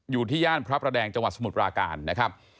อยู่ที่ย่านพระประแดงจังหวัดสมุทรปราการนะครับ